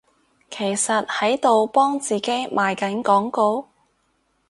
其實喺度幫自己賣緊廣告？